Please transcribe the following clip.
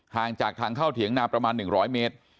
ห่างจากทางเข้าเถียงนาประมาณหนึ่งร้อยเมตร